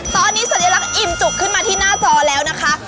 ตอนนี้สัญลักษณ์อิ่มจุกขึ้นมาที่หน้าจอแล้วนะคะ